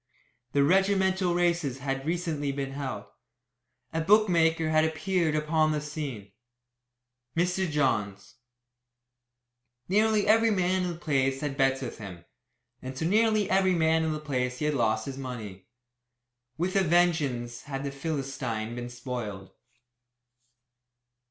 The regimental races had recently been held; a bookmaker had appeared upon the scene Mr. Johns. Nearly every man in the place had had bets with him, and to nearly every man in the place he had lost his money. With a vengeance had the Philistine been spoiled.